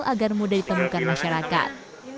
agar mudah ditemukan masyarakat